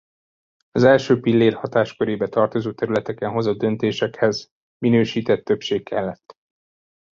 Az első pillér hatáskörébe tartozó területeken hozott döntésekhez minősített többség kellett.